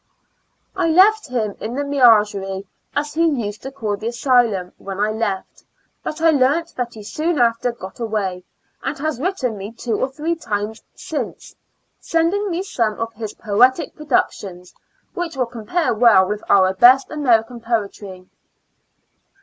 I left him in the menagerie, as he used to call the asylum, when I left; but I learnt that he soon after got away, and has writ ten me two or three times since, sending me some of his poetic productions, which will compare well with our best American poetry.